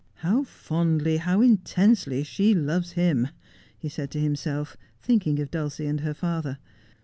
' How fondly, how intensely she loves hira '' he said to him self, thinking of Dulcie and her father.